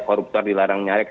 koruptor dilarang nyarek